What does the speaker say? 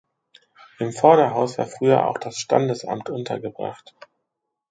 Im Vorderhaus war früher auch das Standesamt untergebracht.